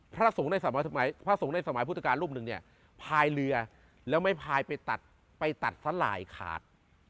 พระสูงในสมัยพุทธกาลล่มหนึ่งพายเรือยังไม่พายไปตัดสลายขาด